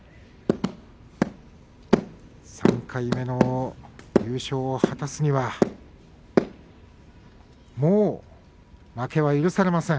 ３回目の優勝を果たすにはもう負けは許されません